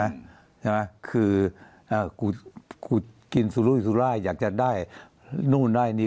ใช่ไหมคือกูกินสุรุยสุรายอยากจะได้นู่นได้นี่